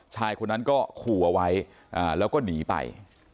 ชายคนนั้นก็ขู่เอาไว้แล้วก็หนีไป